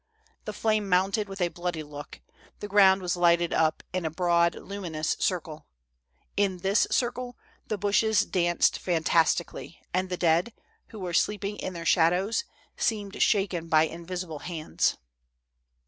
The flame mounted with a bloody look ; the ground was lighted up in a broad, luminous circle ; in this circle, the bushes danced fantastically, and thedead, who were sleeping in their shadows, seemed shaken by invisible hands.